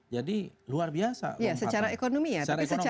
jadi luar biasa